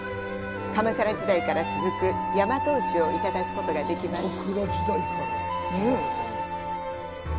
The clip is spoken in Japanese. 鎌倉時代から続く大和牛をいただくことができます。